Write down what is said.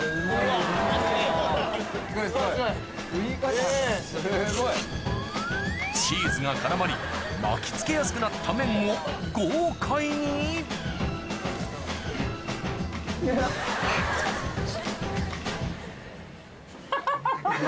・すごいすごい・チーズが絡まり巻きつけやすくなった麺を豪快にハハハハハ！